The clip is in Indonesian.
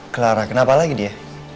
clara kenapa lagi dia